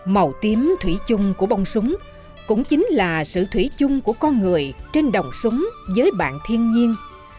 màu tím thủy chung của bông súng cũng chính là sự thủy chung của con người trên đồng súng với bạn thiên nhiên